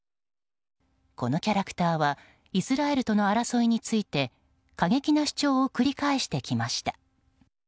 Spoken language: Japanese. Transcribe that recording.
このキャラクターはイスラエルとの争いについて過激な主張を繰り返してきました。